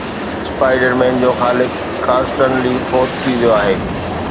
spider Man جو خالق ڪارسٽن لي فوت ٿي ويو آهي